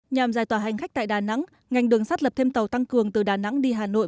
nhằm giải tỏa hành khách tại đà nẵng ngành đường sắt lập thêm tàu tăng cường từ đà nẵng đi hà nội